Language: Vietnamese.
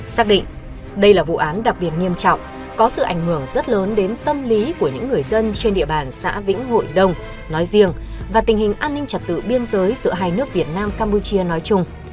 xác định đây là vụ án đặc biệt nghiêm trọng có sự ảnh hưởng rất lớn đến tâm lý của những người dân trên địa bàn xã vĩnh hội đông nói riêng và tình hình an ninh trật tự biên giới giữa hai nước việt nam campuchia nói chung